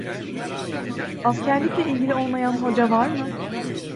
Askerlikle ilgili olmayan hoca var mı?